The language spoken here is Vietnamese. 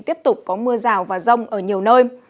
tiếp tục có mưa rào và rông ở nhiều nơi